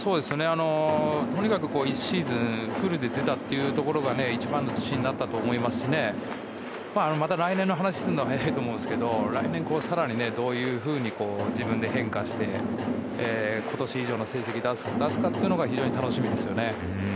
とにかく１シーズンフルで出たというところが一番の自信になったと思いますしまだ来年の話をするのは早いと思いますけど来年、更にどういうふうに自分で変化して今年以上の成績を出すかというのが非常に楽しみですね。